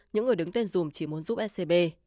những người đứng tên dùm chỉ muốn giúp scb